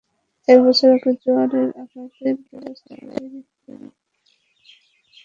চার বছর আগে জোয়ারের আঘাতে বিধ্বস্ত হয়ে যায় বেড়িবাঁধের প্রায় আধা কিলোমিটার অংশ।